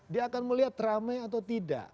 dia akan melihat ramai atau tidak